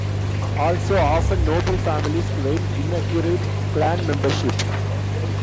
Also often noble families claimed inaccurate clan membership.